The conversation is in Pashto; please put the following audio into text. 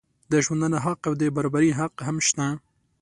د ژوندانه حق او د برابري حق هم شته.